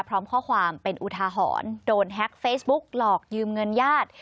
พร้อมข้อความเป็นอุทาหรณ์โดนแฮ็กเฟซบุ๊กหลอกยืมเงินญาติ